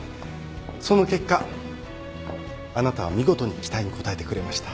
その結果あなたは見事に期待に応えてくれました。